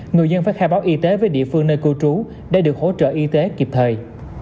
người dân phải khai báo y tế với địa phương nơi cư trú để được hỗ trợ y tế kịp thời